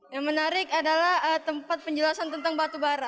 yang menarik adalah tempat penjelasan tentang batubara